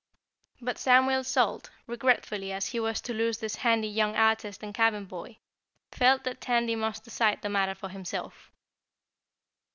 But Samuel Salt, regretful as he was to lose this handy young artist and cabin boy, felt that Tandy must decide the matter for himself.